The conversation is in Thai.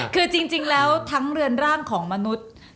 คือจริงแล้วทั้งเรือนร่างของมนุษย์